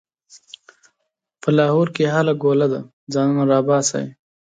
په لاهور کې هله ګوله ده؛ ځانونه راباسئ.